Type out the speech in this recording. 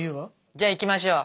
じゃあいきましょう。